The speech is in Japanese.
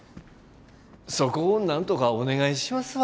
そこをなんとかお願いしますわ。